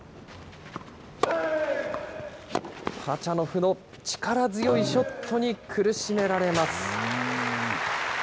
ハチャノフの力強いショットに苦しめられます。